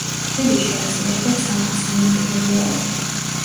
თბილისში არსებობდა ცალკე სამომრიგებლო ოლქი.